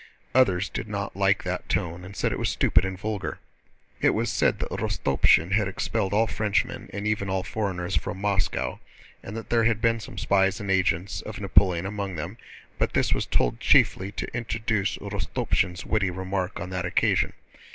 Others did not like that tone and said it was stupid and vulgar. It was said that Rostopchín had expelled all Frenchmen and even all foreigners from Moscow, and that there had been some spies and agents of Napoleon among them; but this was told chiefly to introduce Rostopchín's witty remark on that occasion.